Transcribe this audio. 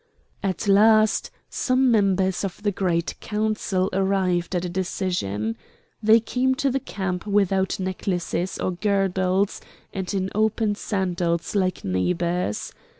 At last some members of the Great Council arrived at a decision. They came to the camp without necklaces or girdles, and in open sandals like neighbours.